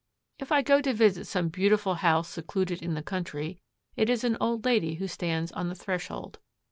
If I go to visit some beautiful house secluded in the country, it is an old lady who stands on the threshold.